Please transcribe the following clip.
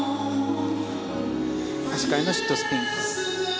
足換えのシットスピン。